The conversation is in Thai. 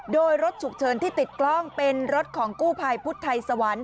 โดยรถฉุกเฉินที่ติดกล้องเป็นรถของกู้ภัยพุทธไทยสวรรค์